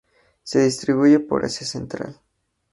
Se distribuye por Asia central.